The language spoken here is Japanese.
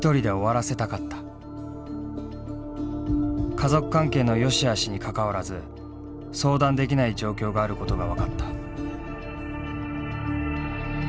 家族関係の善しあしにかかわらず相談できない状況があることが分かった。